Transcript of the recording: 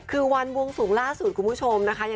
คือวันวงทรงสูงล่าสูกคุณผู้ชมเฉพาะ